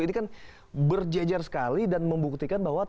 ini kan berjejer sekali dan membuktikan bahwa